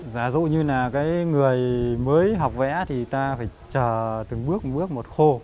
giả dụ như là người mới học vẽ thì ta phải chờ từng bước một bước một khô